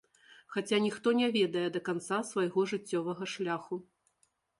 Хаця ніхто не ведае да канца свайго жыццёвага шляху.